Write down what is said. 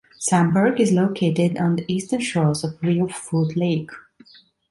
Samburg is located on the eastern shores of Reelfoot Lake.